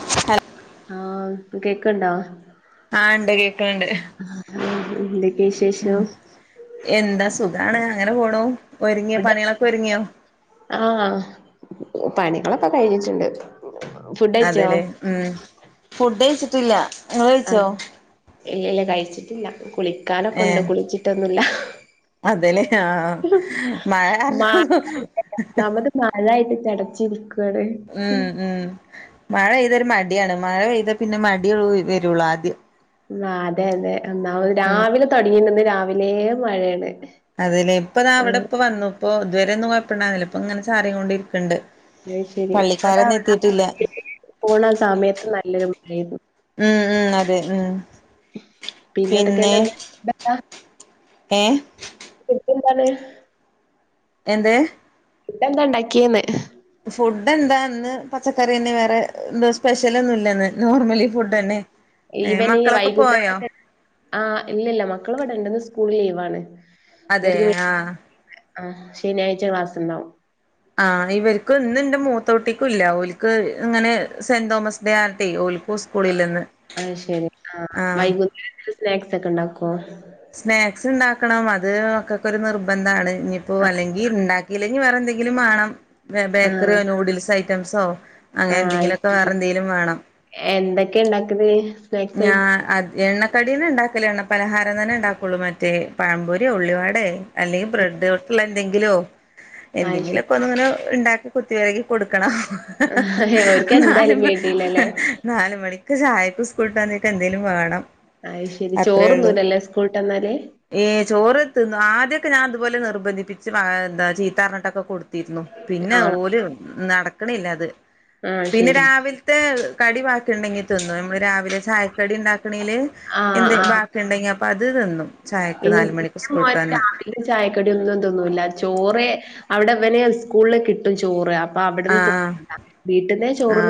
[inaudible] ഹ ആഹ് പ കേക്ക്‌ണ്ടാ. ആഹ ഇണ്ട് കേക്ക്‌ണ്ട്. എന്തക്കെ വിശേഷം? എന്താ സുഖാണ് അങ്ങനെ പോണു. ഒരുങ്ങിയോ? പണികളൊക്കെ ഒരുങ്ങിയോ? ആ പണികളൊക്കെ കഴിഞ്ഞിട്ടുണ്ട്. ഫുഡ് കഴിച്ചോ അതെല്ലേ മ്മ് ഫുണ്ട്‌യ്ച്ചിട്ടില്ല. ആഹ ഇല്ലില്ല കഴിച്ചിട്ടില്ല. കുളിക്കാനൊക്കെ ഉണ്ട്, കുളിച്ചിട്ടൊന്നുല്ല. അതല്ലേ ആഹ, മഴ കാരണം മഴ മ്മ്ഹ്. ഒന്നാമത് മഴായിട്ട് ചടച്ചിരിക. മ്മ് മ്മ് മഴ പെയ്ത ഒരു മടിയാണ്. മഴ പെയ്താൽ പിന്നെ മടി വരുള്ളു ആദ്യം. ന്നാ അതെതെ. എന്നാ ഉം രാവിലെ തുടങ്ങിയിണ്ടന്ന് രാവിലേ മഴേണ്. അതല്ലേ ഇപ്പാ താ അവിടെ ഇപ്പ വന്നു. ഇപ്പൊ ഇതുവരെ ഒന്നുംകൊയപ്പണ്ടാന്നില്ല. ഇപ്പ ഇങ്ങനെ ചാറി കൊണ്ട ഇരിക്കണ്ട്. അത് ശരി അതാ പള്ളിക്കാരന്നും എത്തിട്ടില്ല. പോണ ആ സമയത്ത് നല്ലൊരു മഴേയ്തു. മ്മ് മ്മ് അതെ മ്മ്. പിന്നെ, എന്തൊക്കെയാണ് ഫുഡ് എന്താ ഏ. [unintelligible] എന്തേ ഫുടെന്താ ഇണ്ടാക്കിയന്ന് ഫുഡ് എന്താന്ന് പച്ചക്കറിന്നെ വേറെ എന്തോ സ്പെഷ്യലൊന്നുംല്ലന്ന് നോർമലി ഫുഡ്ന്നെ മക്കളൊക്കെ പോയോ ആഹ് ഇല്ലല്ല മക്കൾ ഇവിടണ്ട് സ്കൂൾ ലീവാണ് അതെ ഇവർക്ക് ആ ആഹ് ശനിയാഴ്ച ക്ലാസ് ഉണ്ടാവും ആഹ് ഇവർക്ക് ഇന്ന് എന്റെ മൂത്തോട്ടിക്കും ഇല്ല. ഓലക്ക് ഇങ്ങനെ സെന്റ് തോമസ് ഡേ ആയിട്ടേ ഓ ആഹ് ആഹ് ശെരി ആഹ് ആ വൈകുന്നേരം സ്നാക്സ് ഒക്കെ ഉണ്ടാക്കുവോ സ്നാക്സ് ഉണ്ടാക്കണം അത് മക്കൾക്കു ഒരു നിർബന്ധമാണ് ഇനിയിപ്പോ ആ അല്ലെങ്കിൽ ഈണ്ടാക്കിയില്ലെങ്കിൽ വേറെ എന്തെങ്കിലും വേണം ബേക്കറിയോ ആ നൂഡിൽസ് ഐറ്റംസോ അങ്ങനെ എന്തെങ്കിലുമൊക്കെ വേറെ എന്തേലും വേണം എന്തൊക്കെയ ഉണ്ടാക്കല് സ്നാക്സ് ഞാൻ ആയിട്ട് അത് എണ്ണ കടീനെ ഉണ്ടാക്കലണ് പലഹാരം തന്നെ ഉണ്ടാക്കുള്ളൂ മറ്റേ പഴമ്പൊര്യോ ഉള്ളിവടെ അല്ലെങ്കിൽ ബ്രെഡ് തൊട്ടുള്ള എന്തെങ്കിലോ അത് ശരി എന്തെങ്കിലുമൊക്കെ ഒന്നിങ്ങനെ ഉണ്ടാക്കി കുത്തി വരകി കൊടുക്കണം ഓര്ക്ക് ഹ ഹ എന്നാലും എന്തായാലും വേണ്ടിയില്ലല്ലേ നാല് മണിക്ക് ചായക് സ്കൂള്ട്ട് വന്നിട്ട് എന്തേലും വേണം അയിശരി അത്രേ ഉള്ളൂ ചോറൊന്നുംല്ലല്ലേ സ്കൂള് ട്ട് വന്നാല് ഏ ചോറ് തിന്ന ആദ്യോക്കെ ഞാനതുപോലെ നിർബന്ദിപ്പിച്ച് ന്താ ചീത്ത പറഞ്ഞട്ട് കൊടു രുന്നു പിന്നെ ആണോ ഓല്നടക്കണില്ല അത് ആ പിന്നെ ശരി രാവിലത്തെ കടി ബാക്കി ഉണ്ടെങ്കി തിന്നും നമ്മള് രാവിലെ ചായക്കടി ഉണ്ടാക്കണേല് ആ എന്ത് ആ ബാക്കി ഉണ്ടെങ്കി അപ്പ അത് തിന്നും ചായക്ക് നാല് മണിക്ക് സ്കൂള് ട്ട് വന്ന് ഇവര്ചായക്കടിയൊന്നും തിന്നൂല. ചോറ് അവിടെവനെ സ്കൂളിൽ കിട്ടും ചോറ് അപ്പൊ ആ അവിടുന്ന് തിന്ന്ന്ന വീട്ടിന്നെ ആ ചോറ്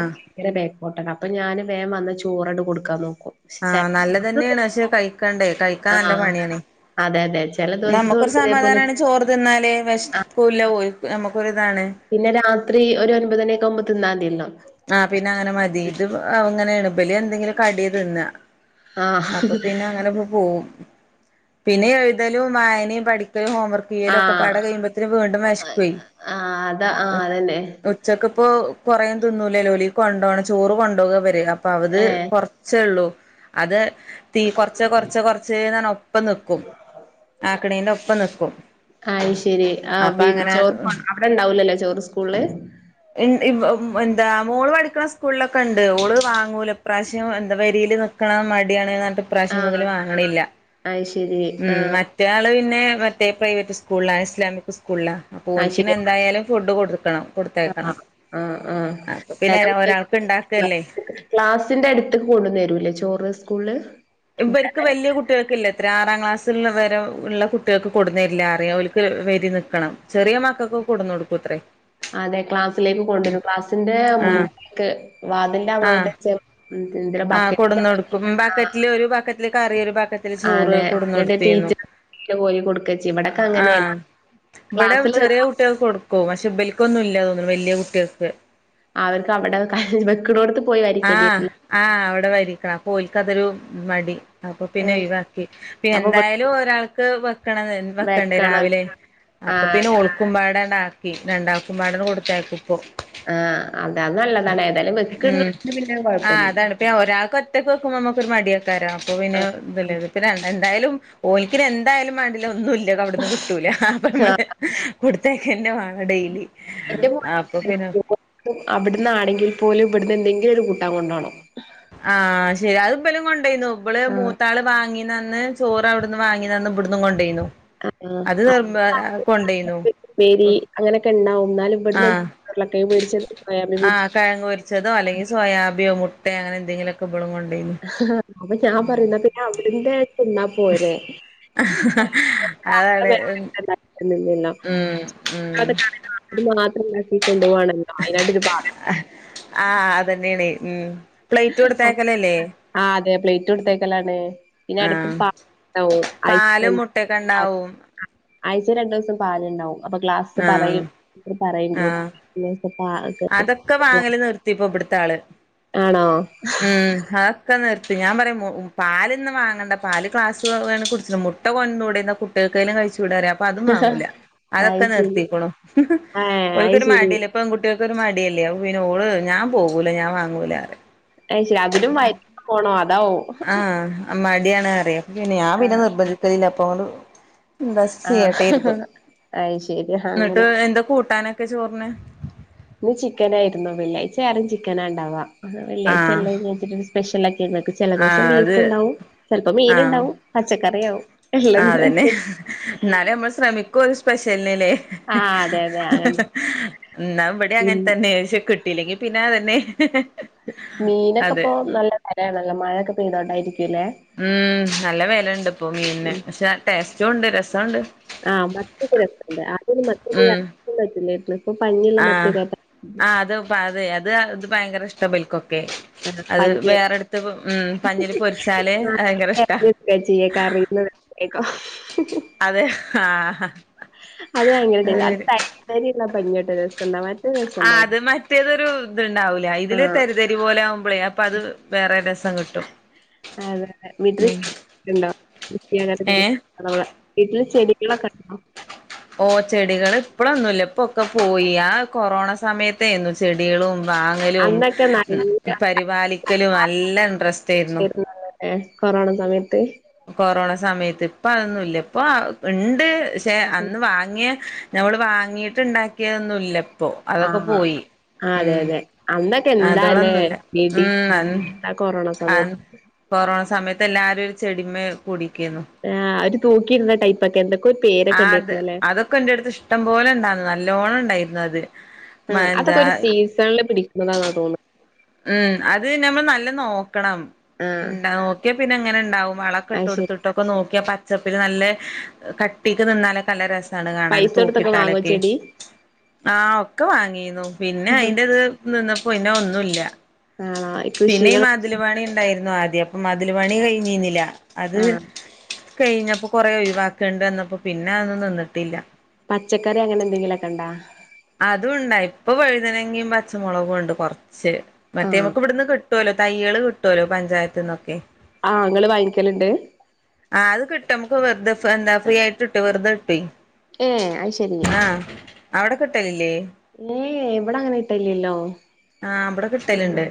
ബേക്കോട്ടാണ് അപ്പൊ ഞാൻ വേം വന്ന് ചോറങ്ങട് കൊടുക്കാൻ നോക്കും പക്ഷെ ചെല ആഹ് നല്ലതന്നെണ് പക്ഷെ കഴിക്കണ്ടേ കൈ ക്കാനല്ല ആഹ് പണിയാണ് അതെ അതെ ചെല ദിവസം നമുക്കൊരു ഓൽക്ക് ഇതേപോലെ സമാധാനണ്‌ ചോറ് തിന്നാല് ആഹ് വിഷപ്പൂല്ല നമ്മക്കൊരിതാണ് പിന്നെ രാത്രി ഒരു ഒൻപത് മണിയൊക്കെ ആവുമ്പോ തിന്നാതിയല്ലോ ആഹ് പിന്നെ അങ്ങനെ മതി ഇത് ഇങ്ങനെ ഇബല് എന്തെങ്കിലും കടി തിന്ന ആഹ് അപ്പൊ പിന്നെ അങ്ങനെ ഇപ്പൊ പോവും പിന്നെ എഴുതലും വായനയും പഠിക്കലും ഹോംവർക്ക് ആഹ് കീയല്ലൊക്കെപാടെ കഴിയുമ്പത്തന് വീണ്ടും വെശക്കുവേ ആഹ് അതാ ആഹ് അതന്നെ. ഉച്ചക്കിപ്പോ കുറേയും തിന്നൂലേല്ലോല് കൊണ്ട്പോണം ചോറ് കൊണ്ട്പോവുക അ അപ്പ അവത് ഏഹ് കൊറച്ചേള്ളൂ അത് തീ കൊറച്ച് കൊറച്ച് കൊറച്ച് ഒപ്പം നിക്കും ആക്കണീന്റെ ഒപ്പം നിക്കും അയ്ശേരി അപ്പൊ ആഹ് അങ്ങനെ ചോറ് അവിടെണ്ടാവൂലല്ലോ ചോറ് സ്കൂളില് എൻ ഇവോ എന്താ മോള് പഠിക്കണ സ്കൂളിലൊക്കെ ഉണ്ട് ഓള് വാങ്ങൂല ഇപ്രാവശ്യം എന്താ പെരിയിൽ നിൽക്കണം മടിയാണ് എന്നഞ്ഞിട്ട് ഇപ്രാവശ്യം മുതൽ ആഹ് വാങ്ങണില്ല അയ് ശരി. ആഹ് മറ്റെ ആൾ പിന്നെ മറ്റേ പ്രൈവറ്റ് സ്കൂളിലാണ് ഇസ്ലാമിക് സ്കൂളിലാണ് അപ്പോൾ അത് ശരി ഓൽക്കിന്നെ എന്തായാലും ഫുഡ് കൊടുക്കണം കൊടുത്തേക്കണം ആഹ് ആഹ് അപ്പൊ പിന്നെ ഒരാൾക്ക് ഉണ്ടാക്കല്ലേ ക്ലാസ്സിന്റെ അടുത്തേക് കൊണ്ടുന്നു തരൂല്ലേ ചോറ് സ്കൂള് ഇവർക്ക് വലിയ കുട്ടികൾക്കില്ല ഇത്ര ആറാം ക്ലാസ്സിൽ വരെ ഉള്ള കുട്ടികൾക്ക് കൊട്ന്നേരില്ല അറിയാം അവരിക്ക് വെരി നി ക്കണം ചെറിയ മക്കൊക്കെ കൊടു ന്നു കൊടുക്കൂ അത്രേ അതെ ക്ലാസ്സിലേക്ക് കൊണ്ടുവരും ക്ലാസ്സിന്റെ ആഹ് മുന്നേക്ക് വാതിന്റെ അങ്ങോട്ട് [unintelligible] ആഹ കൊടന്ന് കൊടുക്കും. ആ ബാക്കറ്റില് ഒരു ബാക്കറ്റില് കറി ഒരു ബാക്കറ്റ് ചോറ് അതെ എന്നിട്ട് കൊടന്നതേനു. ടീച്ചർ കോരി കൊടുക്ക ചെയ്യ ഇവിടൊക്കെ ആഹ അങ്ങനെയാണ് ഇവടെ ക്ലാസ്സില് ചെറിയ കുട്ടികൾക്ക് കൊടുക്കും. പക്ഷെ ഇ ബലിക്കൊന്നും ഇല്ല തോന്നുന്നു വലിയ കുട്ടികൾക്ക്. അവർക്ക് അവിടെ ക വെക്കുണോടത്ത്, ആഹ ആഹ അവിടെ വരിക്കണം. അ പോലിക്കതൊരു മടി. അപ്പൊ ഏ പിന്നെ ഒഴിവാക്കി. അപ്പൊ ഇവിടെ എന്തായാലും ഒരാൾക്ക് വെക്കണ വെക്കണ്ടേ വെക്കണം രാവിലെ. ആ അപ്പൊ പിന്നെ അതെ ഓൾക്കുമ്പാടന്ന ആക്കി. രണ്ടാൾക്കുബാട കൊടുത്തയ്ക്കും ഇപ്പൊ. ആഹ അതാ നല്ലതാണ് ഏതായാലും വെക്ക്‌ ന്ന പിന്നേ കൊഴ ആ അതാണ്പ്പേ ഒരാൾക്ക് ഒറ്റക്ക് വെക്കുമ്പോ നമ്മുക്ക് ഒരു മടിയക്കാര. അപ്പൊ ആ പിന്നെ ഇതല്ലേ പിന്ന രണ്ട എന്തായാലും, ഓലിക്കിന എന്തായാലും വേണ്ടില്ല, ഒന്നും ഇല്ല അവിടന്ന് കിട്ടൂല, അപ്പൊ ആ നമ്മള് [unintelligible] ഡെലി അപ്പൊ പിന്നെ. അവിടന്ന് ആണെങ്കിൽ പോലും ഇവിടുന്ന് എന്തെങ്കിലും ഒരു കൂട്ടാ കൊണ്ടോണം. ആഹ ശെരിയ അത് ഇപ്പലും കൊണ്ടേന്നു. ഇപ്പള് ആഹ് മൂത്താള് വാങ്ങി നന്ന് ചോറ അവിടന്ന് വാങ്ങിന്നന്ന്‌ ഇവ്ടന്ന് കൊണ്ടേന്നു. അത് മ കൊ ഉപേരി അങ്ങനൊക്കെ ഉണ്ടാവും ന്നാലും ഇവിടുന്ന് [unintelligible] രുളകെയങ്ങു പൊരിച്ചത്, [unintelligible] പൊരിച്ചത് കഴങ്ങുപോരിച്ചതോ അല്ലെങ്കിൽ സോയാബിയോ മുട്ട അങ്ങനെ എന്തെങ്കിലൊക്കെ [unintelligible] ആ ന്ന ഞാൻ പറയു ന്ന പിന്നെ അവിട [unintelligible] അതാണ് ഉം [unintelligible] ഉം കൊണ്ടുവാണല്ലോ അയിനട്ടൊരു പ ആഹ അതന്നേണ് ഉം. പ്ലേറ്റ് പാത്രം കൊടുത്തയക്കലല്ലേ? ആഹ് അതെ പ്ലേറ്റ് കൊടുത്തേക്കലാണ് പിന്നെ എടക്ക് [unintelligible] പണ്ടാവും ഐസ് ഒറ്റക്കെ ഉണ്ടാവും ആഴ്ച രണ്ടു ദസം പാല്ണ്ടാവും അപ്പൊ ഗ്ലാസ് ആഹ് ത് പറയഗ്രൂ ആഹ് അതൊക്കെ വാങ്ങല് നിർത്തിപ്പൊ ഇവിടത്തെ ആള് ആണോ? ഉം ഹ ഒക്കെ നിർത്തി ഞാൻ പറയും പാലിന്ന് വാങ്ങണ്ട പാല്ക്ലാസ് വേ കുടിച്ച മുട്ട കൊന്നൂടെന്ന കു കേക്കയിലും കഴിച്ചൂടാറയും അപ്പൊ അതും വാങ്ങൂല അയ് അതൊക്കെ ശരി നിർത്തിക്കേണു ആഹ് അയ് ഒക്കൊരു ശരി മടി പെൺ കുട്ടിൾക്കൊരു മടിയല്ലേ അപ്പോ പിന്നെ ഓള് ഞൻ പോവൂല്ല ഞാൻ വാങ്ങൂല്ലറെയും അ ശരി അതിനലും വയറ്റ് പോണോ അതാവോം ആഹ് മാടിയാണ് അറിയ പിന്നെ ഞാൻ പിന്നെ ആഹ് നിർബന്ധിത്തി ലില്ല പ്പോ എന്താ ആഹ് ചെയീ്യട്ടെ ഇരുന്നു അയ് ശരി എന്നിട്ട് അങ്ങനെ എന്താ കൂട്ടാനൊക്കെ ചോറിന് ഇന്ന് ചിക്കനായിയിരുന്നു വെള്ളാഴ്ച വറും ചിക്കനാണ്ടാവ് വാ വെള്ളാഴ്ച ആഹ് എല്ലിട്ട സ്പെഷൽ ആക്കി ക്ക് ചില ദിവസം ആഹ് അത് ബീഫ് ഉണ്ടാവും ചിലപ്പോ മീന ആഹ് ഉണ്ടാവും പച്ചക്കറീ ആവും ഉള്ളതിനനുസരി എന്നാല നമ്മൾ ശ്രമിക്കും ഒരു സ്പെഷ്യലിനല്ലേ ആഹ് അതെ അതെ അങ്ങനെ [unintelligible] എന്നാ ഇവിടെ ഉം അങ്ങനെ തന്നെ ക്ഷേ കിട്ട് ട്ടല്ലെങ്കിൽ പിന്നെ അതന്നെ [unintelligible] മീനൊക്കെ അതെ ഇപ്പൊ നല്ല വെല നല്ല മഴയൊക്കെ പെയ്തോണ്ടായിരിക്കുംല്ലേ ഉം നല്ല വെലണ്ട് ഇപ്പൊ മീനന് ഉം പക്ഷെ ടേസ്റ്റും ഉണ്ട് രസണ്ട് ആഹ് മത്ത്യോക്കേ രസണ്ട് ആദ്യും [unintelligible] മറ്റൊ ഉം രറ്റില്ലട്ടന്ന് അപ്പൊ പഞ്ഞിയ് ള്ള മത്ത്യല്ലേ പ്പ ആഹ് അതെ അത് അത് ഭയങ്കര ഇഷ്ട ബല്ക്കോ ആഹ് അത് പഞ്ഞി വേറെടുത്ത് ഉം പഞ്ഞില് പൊരിച്ചാല് ഭയങ്കര ഇഷ്ട ചെയക്കെ അറിയുന്നത്ക്കോ അതെ ആഹ് ഹ അത് ഭയങ്കര ടെൻസ അ തയുള്ള പഞ്ഞോട്ട [unintelligible] രസംന്താ മറ്റ ആഹ് അത് മറ്റേതൊരു ഇത്ണ്ടാവൂല ഇതില് ആഹ് തര് തരി പോലെ ആവുമ്പോഴേ അപ്പൊ അത് വേറെ രസം കിട്ട് അതെ! ! [unintelligible] വീട്ടില് ഏ ചെടികളൊക്കെ ഉണ്ടോ? ഓ ചെടികൾ ഇപ്പളൊന്നുല്ല പ്പൊക്കെ പോയി ആ കൊറോണ സമയത്തേയിരുന്നു ചെടികളും വാങ്ങലും അന്നൊക്കെ നല്ല പരിപാലിക്കലും നല്ലാ ഇൻട്രസ്റ്റ് ആരുന്നു ഏ കൊറോണ സമയത്ത്. കൊറോണ സമയത്ത് ഇപ്പൊ അതൊന്നുംല്ല ഇപ്പൊ ഉണ്ട് ശെ അന്ന് വാങ്ങിയ നഞമ്മള് വാങ്ങിയിട്ട്ണ്ടാക്കിയതൊന്നുല്ലപ്പൊ അതൊക്കെ ആഹ് പോയി ആഹ് അതെ ഉം അതെ അന്നൊക്കെ എന്താല്ലേ അതോളൊന്നുംല്ല വെടി ഉം ആ ആ കൊറോണ അന്ന് സമയത്ത് കൊറോണ സമയത്ത് എല്ലാരും ഒരു ചെടിമേ കുടിക്കുന്നു ആഹ് ഒരു തോക്കിയിട്ന്ന ടൈപ്പ ഒക്കെ എന്തൊ ആഹ് അത് അതൊക്കെ എന്റെടുത്ത് ഇഷ്ടം പോലെ ഇണ്ടായിന്ന് നല്ലോണം ഉണ്ടായിരുന്നു അത് മ എന്താ ള്ള് പിടിക്കുന്നതാ തോന്നുന്നേ ഉം അത് ന്നേ മ്മള് നല്ല നോക്കണം ആഹ് ന്താ നോക്കിയാ പിന്നെ എങ്ങനെ ഉണ്ടാവും വളക്കെ ഇട്ട് അത് ശരി കൊടുത്തിട്ട് ക്ക നോക്കിയാ പച്ചപ്പില് നല്ല കട്ടീക്ക് നിന്നാലകരസ ണ് കാണൻ പൈസ കൊടുത്തൊക്കെ വാങ്ങോ തൂക്കിട്ടാലൊക്കെ ചെടി? ആഹ് ഒക്കെ വാങ്ങിന്നു പിന്നെ അതിന്റെത് നിന്നപ്പോ പിന്നെ ഒന്നുല്ല ആഹള ഇ പിന്നെ ഈ മതില പണി ഉണ്ടായിരുന്നു ആദ്യം അപ്പൊ മതില പണി കഴിഞ്ഞിന്നില്ല അത് ആഹ് കഴിഞ്ഞപ്പോ കൊറെ ഒഴിവാക്കണ്ട് എന്നപ്പോ പിന്നെ അയ്നൊന്നും നിന്നിട്ടില്ല പച്ചക്കറി അങ്ങനെ എന്തെങ്കിലുമൊക്കെ ഉണ്ടോ അതുംണ്ടാ ഇപ്പൊ വഴുതനങ്കിയും പച്ചമുളകും ഉണ്ട് കുറച്ച് മറ്റേ ആഹ് നമുക്ക് ഇവിടുന്ന് ക കിട്ടല്ലോ തയ്യള് കിട്ടുല്ലോ പഞ്ചായത്ത് നിന്നൊക്കെ ആഹ് ഇങ്ങള് വാങ്ങിക്കലുണ്ട് ആഹ അത് കിട്ടും നമു വെറുതെ എന്താ ഫ്രീ ആയിട്ട് വെറുതെ കിട്ടു ഏ അത് ശരി ആ അവിടെ കിട്ടലില്ലേ ഏ ഇവിട അങ്ങനെ കിട്ടലില്ലോ ആഹ ഇവിടെ കിട്ടലുണ്ട്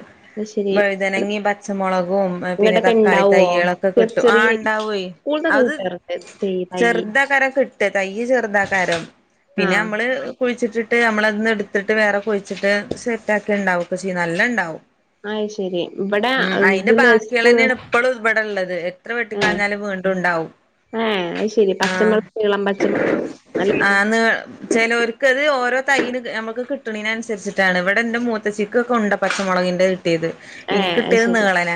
ശരി വഴുതനങ്ങി പച്ചമുളകും പിന്നെ ഇങ്ങട്ടൊക്കെ തക്കാളി ഇണ്ടാവോ തയ്യളൊക്കെ ചെറി കിട്ടും ആ് ചെറിയ ഉണ്ടാവേ സ്കൂൾന്നൊക്കെ അത് കിട്ടാറുണ്ട് തൈ തയ്യ് ചെറുത് കാരം കിട്ടാ തൈ ചെറുത്കാരം പിന്നെ ആഹ് നമ്മള് കുഴിച്ചിട്ടിട്ട് നമ്മളതിന് എടുത്തിട്ട് വേറെ കുഴിച്ചിട്ട് സെറ്റ ആക്കി ഉണ്ടാവ കച്ചി നല്ല ഇണ്ടാവും അ ശെരി ഇവിടെ ഇതിന്ന് സ്കൂൾ ഇപ്പോളും ഇവിടെ ഇള്ളത് എത്ര ഏഹ് വെട്ടിക്കാഞ്ഞാലും വീണ്ടും ഉണ്ടാവും ഏഹ് അത് ശരി പച്ചമുളക് [unintelligible] പച്ചമള ആന്ന് ചേലോര്ക്ക്ത് ഓരോ തരി നമ്മുക്ക് കിട്ടണനീന് അനുസരിച്ചിട്ടാണ് ഇവിടെ ഇന്റെ മൂത്തച്ചികൊകെ ഉണ്ട പച്ചമുളകിന്റെ കിട്ടിയത് ഇൻക് ഏഹ് അത് കിട്ടിയത് ശരി നീളന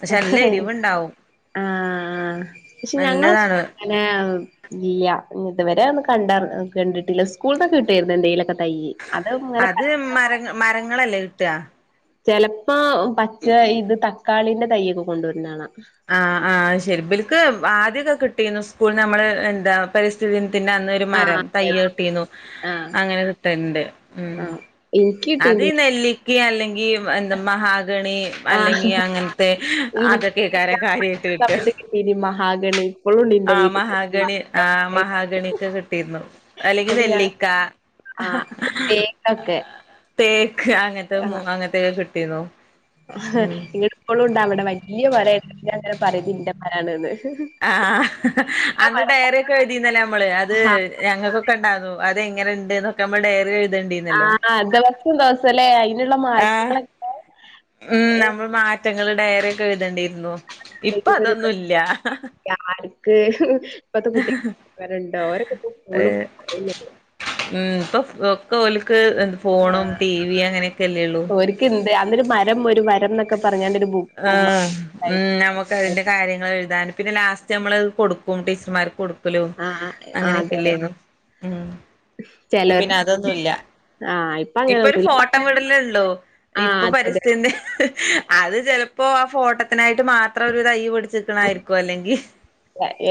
പക്ഷെ നല്ല എരിവ്ണ്ടാവും നല്ലതാണ് ഇല്ല്യ ഇതുവരെ ഒന്ന് കണ്ടാ കണ്ടിട്ടില്ല സ്കൂളന്നൊക്കെ കിട്ടായിരുന്നു എന്തേലൊക്കെ അത് മര മരങ്ങളല്ലേ കിട്ടാ ചെലപ്പോ പച്ച ഇത് തക്കാളിന്റെ തൈയ്യൊക്കെ കൊണ്ടുവരുന്നതാണ് ആഹ് ആഹാ ശെരിബിലക്ക് ആദ്യക്കെ കിട്ടിന്നു സ്കൂൾ നമ്മള് എന്താ പരിസ്ഥിതിത്തിന്റെ അന്ന് ആഹ് മരം അതെ അതെ തയ്യൊട്ടീന്നു ആഹ് അങ്ങനെ കിട്ടല്ണ്ട് ഉം ആഹ് എനിക്ക് അത് കിട്ടീണ്ട് നെല്ലിക്കിം അല്ലെങ്കി എന്താ മഹാഗണി ആഹ് അല്ലെങ്കി അങ്ങനത്തെ അതൊക്കെയ്കാരം കാര്യയിക്കെ കിട്ടാ ഇടി മഹാഗണി ഇപ്പോഴും ഉണ്ട് എന്റെ ആ വീട്ടില് മഹാഗണി ആ മഹാഗണിയൊക്കെ കിട്ടിയിരുന്നു അല്ലെങ്കിൽ നെല്ലിക്ക ആഹാ എപ്പളേങ്കിലൊക്കെ തേക്ക് അങ്ങനത്തെ [unintelligible] അങ്ങത്തേക്കെ കിട്ടീന്നു നിങ്ങിപ്പോളും ഉണ്ട അവിടെ വലിയ മരല്ലങ്ങരം പറയും ന്റെ മരാണ്ന്ന് ആ ഇന്റെ അന്ന് മരം ഡയറി ഒക്കെ എഴുതിയിരുന്നില്ലേ നമ്മള് അത് ആഹ് ഞങ്ങൾകൊക്കെ ഉണ്ടായിരുന്നു അതെങ്ങെനെ ഉണ്ട്ന്നൊക്കെ നമ്മൾ ഡയറി എഴുതേണ്ടിയിരു ആഹ ദിവസം ദിവസം ല്ലേ അയിനുള്ള ആഹ് മാറ്റങ്ങളൊ ഉം നമ്മള് മാറ്റങ്ങൾ ഡയറിയൊക്കെ എഴുതേണ്ടിയിരുന്നു ഇപ്പൊ അതൊന്നും ഇല്ല [unintelligible] ഇപ്പത്തെ കുട്ടി [unintelligible] ണ്ടോ അവരൊക്കെ ഫുൾ [unintelligible] ഉം ഇപ്പൊ ഒക്കെ ഓൽക്ക് ഫോണും ടിവി അങ്ങനെയൊക്കെ അല്ലേ ഉള്ളൂ ണ്ട് അന്ന് ഒരു മരം ഒരു വരം എന്നൊക്കെ പറഞ്ഞാണ്ടൊരു മ് ബുക്കും ഉം നമുക് അതിന്റെ കാര്യങ്ങൾ എഴുതാനും പിന്നെ ലാസ്റ്റ് നമ്മൾ കൊടുക്കും ടീച്ചർമാർക്ക് കൊടുക്കും ആഹ് [unintelligible] അതെ അങ്ങനെയൊക്കെല്ലായ്നോ ഉം ഇപ്പൊ ചെലർ പിന്നെ അതൊന്നുമല്ല ആഹ് ഇപ്പ ഇപ്പൊ ഒരു അങ്ങനൊന്നുല്ല ഇപ്പ ഫോട്ടം വിടലേള്ളൂ ആഹ് ഇപ്പൊ അതെ അതെ പരിസ്ഥ്യ അത് ചെലപ്പോ ആ ഫോട്ടോത്തിനായിട്ട് മാത്രം ഒരു തൈ പിടിച്ചു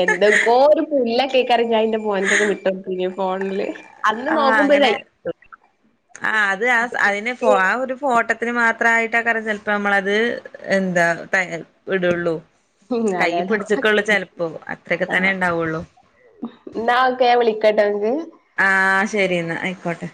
എന്തൊക്കോ ഒരു ല്ല കേൾക്കാർ ഞാഇന്റെ മോൻകെഞ്ഞെ വിട്ടോട്തീന്നു ഫോണില് അന്ന് നോക്കുമ്പോല്ലായി ആ അത് ആ അതിനെ പോ ആ ഒരു ഫോട്ടത്തിന് മാത്രായിട്ടാകാരം ചെൽപ്പ നമ്മളത് എന്താ ത വിടുള്ളൂ അതെ കയ്യി പിടിച്ച്ക്കുള്ളൂ ചെലപ്പോ അത്രയൊക്കെ തന്നെ ഉണ്ടാവൊള്ളൂ. ഇന്നാ ഓക്കെ വിളിക്കട്ടോ ഇങ്ങ്ക്ക് ആ ശെരി ഇന്നാ അയിക്കോട്ടെ